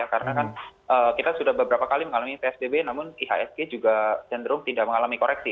karena kita sudah beberapa kali mengalami psbb namun ihsg juga cenderung tidak mengalami koreksi